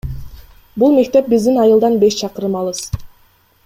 Бул мектеп биздин айылдан беш чакырым алыс.